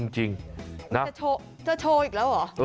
จริงจะโชว์อีกแล้วเหรอ